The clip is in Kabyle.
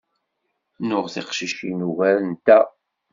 Nuɣ tiqcicin ugarent-aɣ.